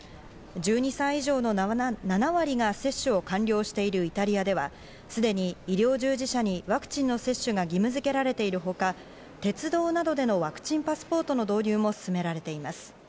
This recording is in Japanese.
１２歳以上の７割が接種を完了しているイタリアでは、すでに医療従事者にワクチンの接種が義務付けられているほか、鉄道などでのワクチンパスポートの導入も進められています。